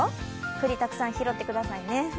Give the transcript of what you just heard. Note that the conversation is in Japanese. くりたくさん拾ってくださいね。